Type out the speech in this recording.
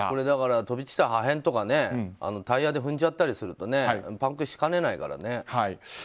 だから飛び散った破片とかタイヤで踏んじゃったりするとパンクしかねないからね。